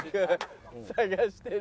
探してる。